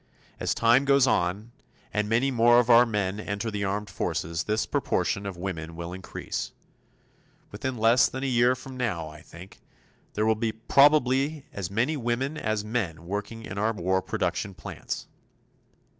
As time goes on, and many more of our men enter the armed forces, this proportion of women will increase. Within less than a year from now, I think, there will probably be as many women as men working in our war production plants.